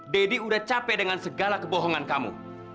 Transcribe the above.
deddy udah capek dengan segala kebohongan kamu